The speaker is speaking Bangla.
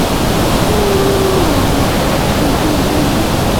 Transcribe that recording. পোড়ামাটির শিল্পে পশ্চিমবঙ্গের বিষ্ণুপুরের মন্দিরগুলো এক আলাদা মর্যাদা পেয়ে থাকে।